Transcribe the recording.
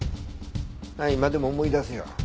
今でも思い出すよ。